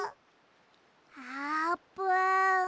あーぷん。